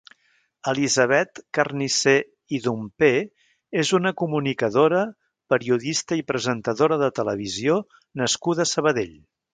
Elisabet Carnicé i Domper és una comunicadora, periodista i presentadora de televisió nascuda a Sabadell.